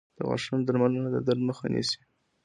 • د غاښونو درملنه د درد مخه نیسي.